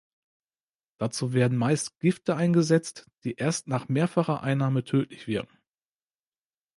Dazu werden meist Gifte eingesetzt, die erst nach mehrfacher Einnahme tödlich wirken.